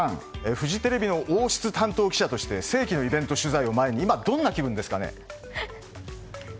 フジテレビの王室担当記者として世紀のイベント取材を前に今どんな気分ですかね？